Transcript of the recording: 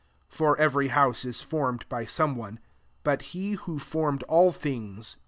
4 (For every house is formed by some one ; but he who form ed all [things] ia God.)